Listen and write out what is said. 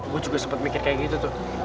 gua juga sempet mikir kaya gitu tuh